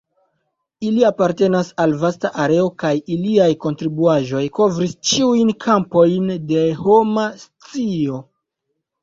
Ili apartenas al vasta areo kaj iliaj kontribuaĵoj kovris ĉiujn kampojn de homa scio.